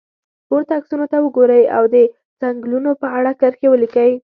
پورته عکسونو ته وګورئ او د څنګلونو په اړه کرښې ولیکئ.